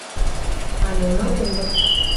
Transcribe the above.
А нуно улыт.